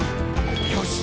「よし！